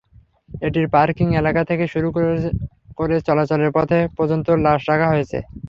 এটির পার্কিং এলাকা থেকে শুরু করে চলাচলের পথে পর্যন্ত লাশ রাখা হয়েছে।